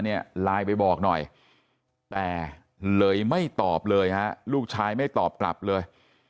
เนี่ยไลน์ไปบอกหน่อยแต่เลยไม่ตอบเลยฮะลูกชายไม่ตอบกลับเลย